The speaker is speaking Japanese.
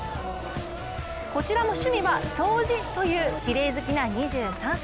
こちらも趣味は掃除というきれい好きな２３歳。